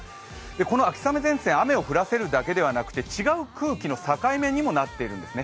この秋雨前線、雨を降らせるだけではなくて違う空気の境目にもなっているんですね。